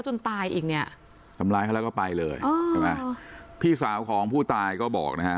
จนตายอีกเนี่ยทำร้ายเขาแล้วก็ไปเลยใช่ไหมพี่สาวของผู้ตายก็บอกนะฮะ